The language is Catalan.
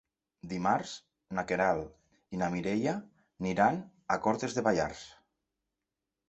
Dimarts na Queralt i na Mireia iran a Cortes de Pallars.